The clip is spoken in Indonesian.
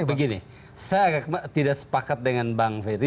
begini saya tidak sepakat dengan bang ferry